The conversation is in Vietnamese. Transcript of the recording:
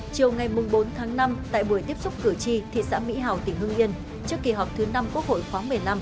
chiều ngày bốn tháng năm tại buổi tiếp xúc cử tri thị xã mỹ hào tỉnh hương yên trước kỳ họp thứ năm quốc hội khoáng một mươi năm